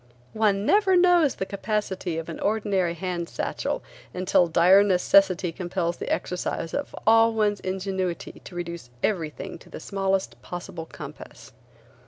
One never knows the capacity of an ordinary hand satchel until dire necessity compels the exercise of all one's ingenuity to reduce every thing to the smallest possible compass.